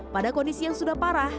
pada kondisi yang sudah parah